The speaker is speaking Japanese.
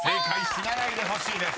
「死なないでほしい」です］